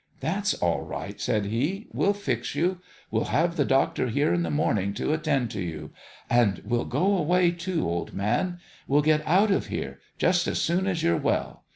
" That's all right," said he. " We' II fa you. We'll have the doctor here in the morning to attend to you. And we'll go away, too, old man we'll get out of here just as soon as you're well.